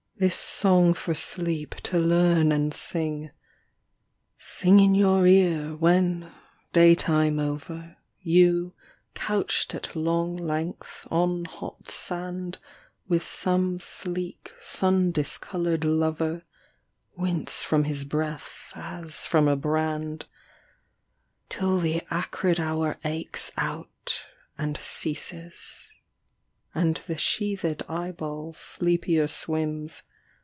This song for sleep to learn and sing â Sing in your ear when, daytime over, You, couched at long length on hot sand With some sleek sun discoloured lover, Wince from his breath as from a brand : Till the acrid hour aches out and ceases, And the sheathed eyeball sleepier swims.